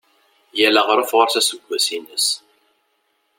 Yal aɣref ɣur-s aseggas-ines.